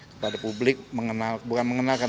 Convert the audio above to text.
kepada publik mengenal bukan mengenalkan